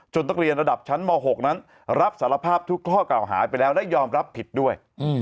นักเรียนระดับชั้นม๖นั้นรับสารภาพทุกข้อเก่าหาไปแล้วและยอมรับผิดด้วย